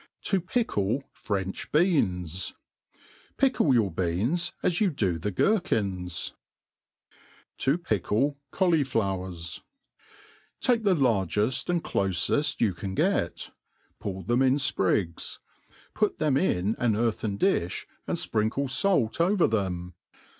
To pickle French BeOnt. FICKLE your beans as you do the gerkihs^ To pickle Caulijkwerf. ^ TAKE the largeft and clofeft you can get; pull them in fprigs ; put them in an earthen dift), and fprinkle (alt over them.